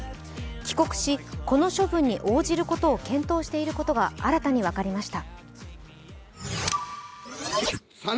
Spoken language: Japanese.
帰国し、この処分に応じることを検討していることが新たに分かりました。